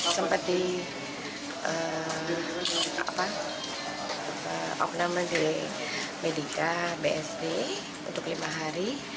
sempat di opnama di medica bsd untuk lima hari